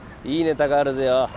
いいネタがあるぜよ。